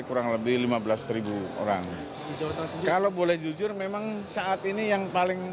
pertemuan indonesia dan pertemuan jawa nara